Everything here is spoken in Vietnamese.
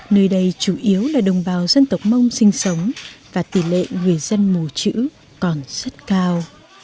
nơi đây chủ yếu là đồng bào dân tộc mông sinh sống và tỷ lệ người dân mù chữ còn rất cao